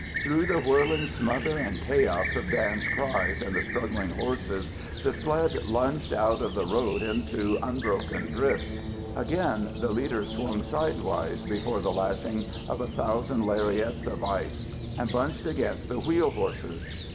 Through the whirling smother and chaos of Dan's cries and the struggling horses the sled lunged out of the road into unbroken drifts. Again the leaders swung sidewise before the lashing of a thousand lariats of ice and bunched against the wheel horses.